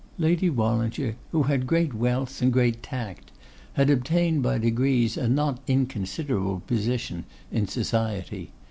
Lady Wallinger, who had great wealth and great tact, had obtained by degrees a not inconsiderable position in society.